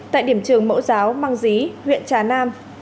tại điểm trường mẫu giáo mang dí huyện trà nam